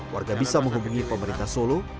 warga bisa menghubungi pemerintah solo